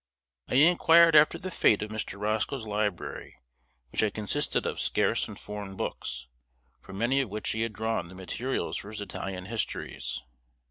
I inquired after the fate of Mr. Roscoe's library, which had consisted of scarce and foreign books, from many of which he had drawn the materials for his Italian histories.